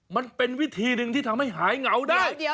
มันเป็นวิธีหนึ่งที่ทำให้หายเหงาได้